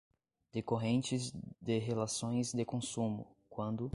decorrentes de relações de consumo, quando